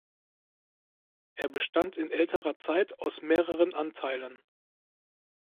Es bestand in älterer Zeit aus mehreren Anteilen.